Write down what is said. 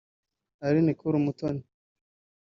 Aline Cool Umutoni